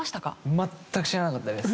全く知らなかったです。